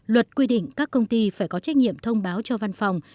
luật quy định các công ty phải có trách nhiệm thông báo cho văn phòng